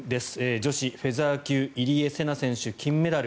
女子フェザー級、入江聖奈選手金メダル。